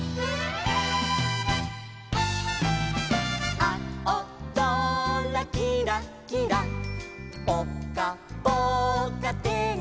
「あおぞらきらきらぽかぽかてんき」